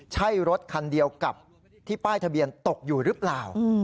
ใช่รถคันเดียวกับที่ป้ายทะเบียนตกอยู่หรือเปล่า